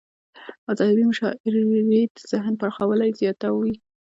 ادبي مشاعريد ذهن پراخوالی زیاتوي.